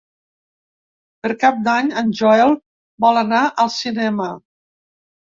Per Cap d'Any en Joel vol anar al cinema.